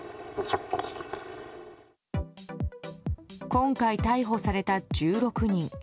今回逮捕された１６人。